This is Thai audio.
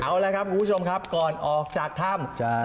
เอาละครับคุณผู้ชมครับก่อนออกจากถ้ำ